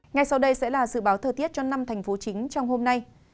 ngay sau đây sẽ là dự báo thời tiết cho năm thành phố chính trong hôm nay